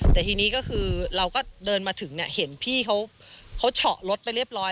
แต่ทีนี้ก็คือเราก็เดินมาถึงเนี่ยเห็นพี่เขาเฉาะรถไปเรียบร้อย